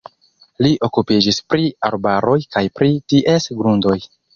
Li okupiĝis pri arbaroj kaj pri ties grundoj.